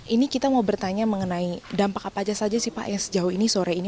ini kita mau bertanya mengenai dampak apa saja sih pak yang sejauh ini sore ini